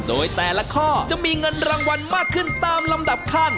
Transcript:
โดยแต่ละข้อจะมีเงินรางวัลมากขึ้นตามลำดับขั้น